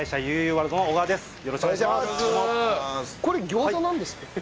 これ餃子なんですか？